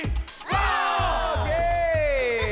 オーケー！